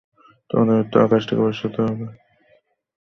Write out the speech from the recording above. তোমাদের মৃত্যু আকাশ থেকে বর্ষিত হবে।